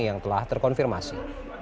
yang telah terkonfirmasi